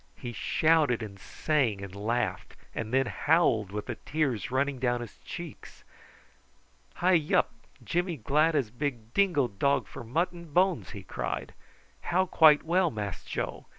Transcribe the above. He shouted and sang and laughed, and then howled, with the tears running down his cheeks. "Hi, yup! Jimmy glad as big dingo dog for mutton bones!" he cried. "How quite well, Mass Joe?